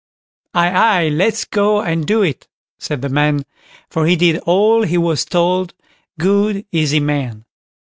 "Aye, aye, let's go and do it", said the man; for he did all he was told, good, easy man.